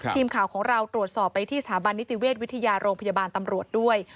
ทีมข่าวของเราตรวจสอบไปที่สถาบันนิติเวชวิทยาโรงพยาบาลตำรวจด้วย